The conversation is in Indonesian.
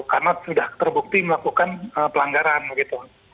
karena sudah terbukti melakukan pelanggaran gitu